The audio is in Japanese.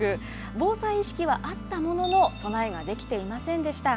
防災意識はあったものの、備えができていませんでした。